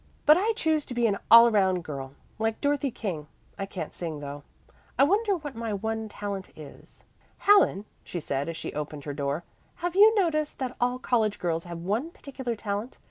"But I choose to be an all around girl, like Dorothy King. I can't sing though. I wonder what my one talent is. "Helen," she said, as she opened her door, "have you noticed that all college girls have one particular talent?